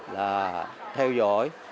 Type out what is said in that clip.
là theo dõi